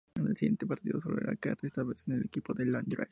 En el siguiente partido volvería a caer, esta vez con el equipo de Londres.